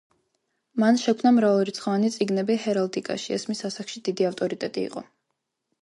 მან შექმნა მრავალრიცხოვანი წიგნები ჰერალდიკაში, ეს მის ასაკში დიდი ავტორიტეტი იყო.